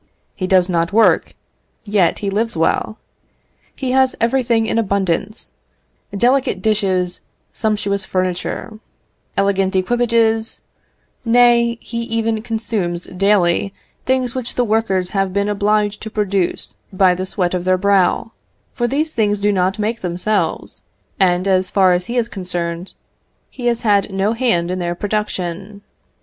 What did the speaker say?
He does not work, yet he lives well; he has everything in abundance; delicate dishes, sumptuous furniture, elegant equipages; nay, he even consumes, daily, things which the workers have been obliged to produce by the sweat of their brow, for these things do not make themselves; and, as far as he is concerned, he has had no hand in their production.